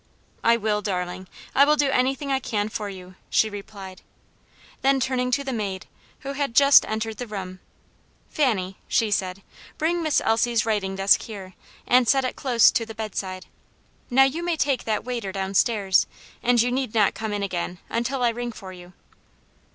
"I will, darling; I will do anything I can for you," she replied. Then turning to the maid, who had just entered the room: "Fanny," she said, "bring Miss Elsie's writing desk here, and set it close to the bedside. Now you may take that waiter down stairs, and you need not come in again until I ring for you."